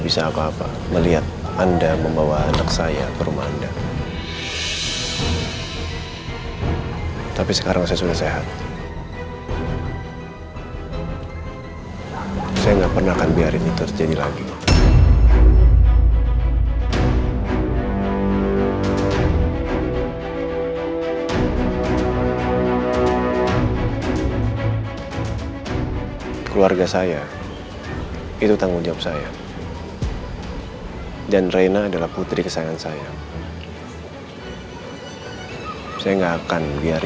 sampai jumpa di video selanjutnya